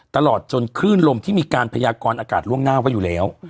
ตลอดจนคลื่นลมที่มีการพยากรอากาศล่วงหน้าไว้อยู่แล้ว